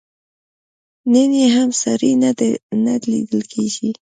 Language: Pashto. نن یې هم ساری نه لیدل کېږي.